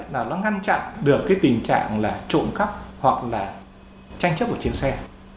là nó ngăn chặn được cái tình trạng là trộm cắp hoặc là tranh chấp của chiếc xe